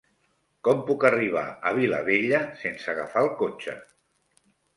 Com puc arribar a Vilabella sense agafar el cotxe?